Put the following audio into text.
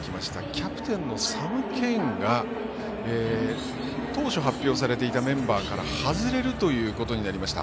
キャプテンのサム・ケインが当初、発表されていたメンバーから外れるということになりました。